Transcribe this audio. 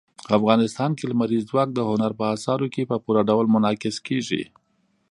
افغانستان کې لمریز ځواک د هنر په اثارو کې په پوره ډول منعکس کېږي.